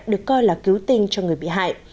được coi là cứu tinh cho người bị hại